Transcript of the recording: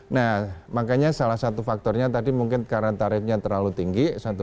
nah makanya salah satu faktornya tadi mungkin karena tarifnya terlalu tinggi